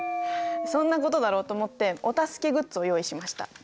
そんなことだろうと思ってお助けグッズを用意しました。